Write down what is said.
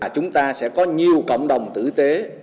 chúng ta sẽ có nhiều cộng đồng tử tế